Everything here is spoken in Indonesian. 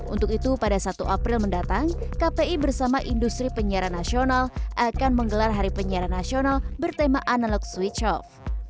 untuk itu pada satu april mendatang kpi bersama industri penyiaran nasional akan menggelar hari penyiaran nasional bertema analog switch off